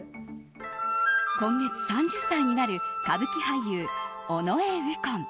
今月３０歳になる歌舞伎俳優・尾上右近。